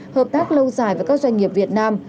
hợp tác lâu dài với các doanh nghiệp việt nam